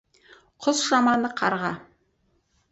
Құс жаманы — қарға.